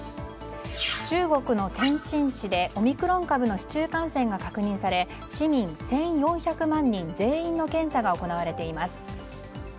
中国の天津市でオミクロン株の市中感染が確認され、市民１４００万人全員の検査が行われています。